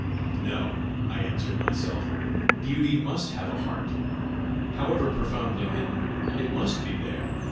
"No," I answered myself; "beauty must have a heart! However profoundly hidden, it must be there!